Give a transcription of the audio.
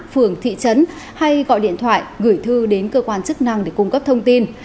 phường thị trấn hay gọi điện thoại gửi thư đến cơ quan chức năng để cung cấp thông tin